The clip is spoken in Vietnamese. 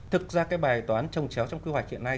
thực ra cái bài toán trồng chéo trong quy hoạch hiện nay